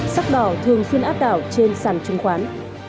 sắc đỏ thường xuyên áp đảo trên sàn chứng khoán